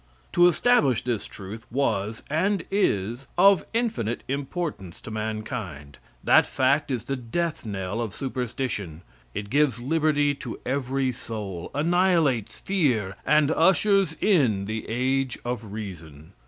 To establish this truth was, and is, of infinite importance to mankind. That fact is the death knell of superstition; it gives liberty to every soul, annihilates fear, and ushers in the Age of Reason.